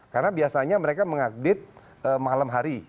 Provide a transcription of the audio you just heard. karena biasanya mereka mengakredit malam hari